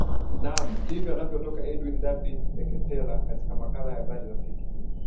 naam ndivyo anavyoondoka edwin david ndeketela katika makala habari rafiki